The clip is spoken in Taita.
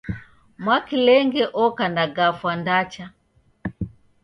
Mwakilenge oka na gafwa ndacha.